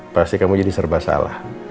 pasti kamu jadi serba salah